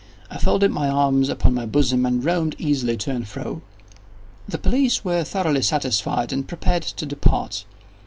I folded my arms upon my bosom, and roamed easily to and fro. The police were thoroughly satisfied and prepared to depart.